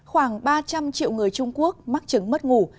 khoảng ba trăm linh triệu người trung quốc mắc chứng mất ngủ